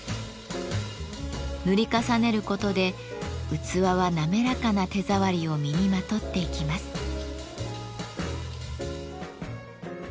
塗り重ねることで器は滑らかな手触りを身にまとっていきます。